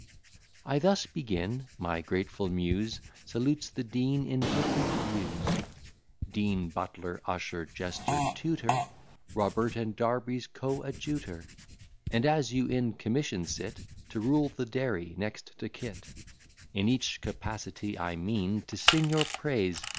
" I thus begin: My grateful Muse Salutes the Dean in different views; Dean, butler, usher, jester, tutor; Robert and Darby's coadjutor; And, as you in commission sit, To rule the dairy next to Kit; In each capacity I mean To sing your praise.